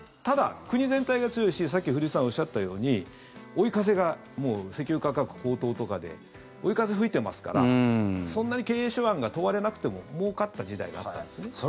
ただ、国全体が強いしさっき古市さんがおっしゃったように、追い風がもう石油価格高騰とかで追い風、吹いてますからそんなに経営手腕が問われなくてももうかった時代があったんですね。